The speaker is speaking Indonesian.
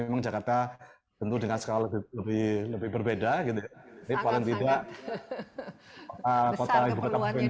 memang jakarta tentu dengan skala lebih lebih berbeda gitu ya kalau tidak keperluannya di